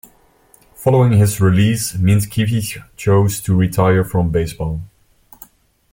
Following his release, Mientkiewicz chose to retire from baseball.